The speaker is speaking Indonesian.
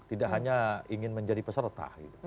tidak hanya ingin menjadi peserta